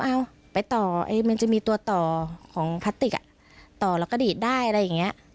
เอาไปต่อมันจะมีตัวต่อของพลาสติกต่อแล้วก็ดีดได้อะไรอย่างนี้